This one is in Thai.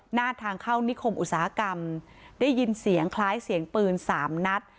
หน้าทางเข้านิคมอุตสาหกรรมได้ยินเสียงคล้ายเสียงปืนสามนัด